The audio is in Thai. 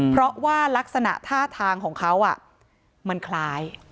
เพราะว่ารักษณะท่าทางของเขามันคล้าย